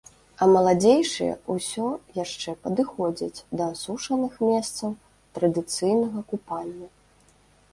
А маладзейшыя ўсё яшчэ падыходзяць да асушаных месцаў традыцыйнага купання.